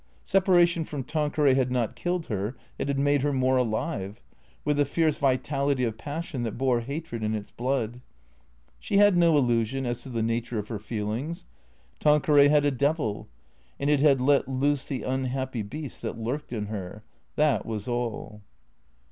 Separation from Tanqueray had not killed her; it had made her more alive, with the fierce vitality of passion that bore hatred in its blood. She had no illusion as to the nature of her feelings. Tan queray had a devil, and it had let loose the unhappy beast that lurked in her. That was all.